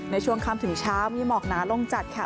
ในช่วงค่ำถึงเช้ามีหมอกหนาลงจัดค่ะ